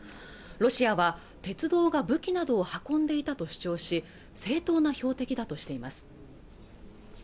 ロシアは鉄道が武器などを運んでいたと主張し正当な標的だとしています